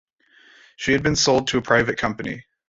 She has been sold to a private company.